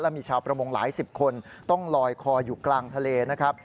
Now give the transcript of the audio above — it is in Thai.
มีชาวประมงหลายสิบคนต้องลอยคออยู่กลางทะเลนะครับ